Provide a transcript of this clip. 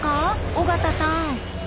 尾形さん。